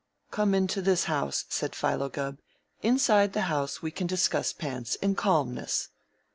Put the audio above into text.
"Come into this house," said Philo Gubb. "Inside the house we can discuss pants in calmness."